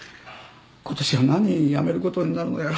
今年は何人やめることになるのやら。